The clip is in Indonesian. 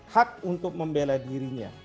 hak untuk membela dirinya